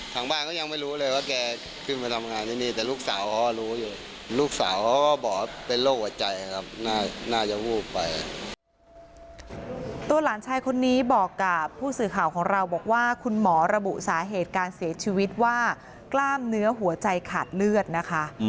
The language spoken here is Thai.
หลานชายคนนี้บอกกับผู้สื่อข่าวของเราบอกว่าคุณหมอระบุสาเหตุการเสียชีวิตว่ากล้ามเนื้อหัวใจขาดเลือดนะคะ